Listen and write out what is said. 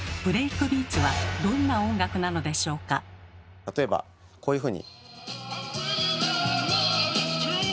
例えばこういうふうに。